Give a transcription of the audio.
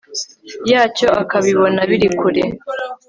yacyo akabibona biri kure